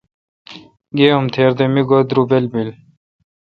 گے ام تھیر دہ میگو درُبل بیل۔